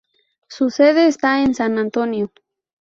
Su sede está en San Antonio.